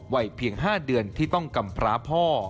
วัยเพียง๕เดือนที่ต้องกำพร้าพ่อ